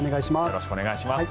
よろしくお願いします。